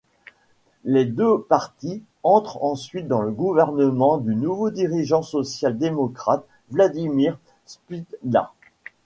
Les deux partis entrent ensuite dans le gouvernement du nouveau dirigeant social-démocrate, Vladimír Špidla.